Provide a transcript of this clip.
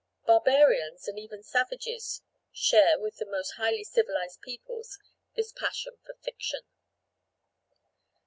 Barbarians and even savages share with the most highly civilised peoples this passion for fiction.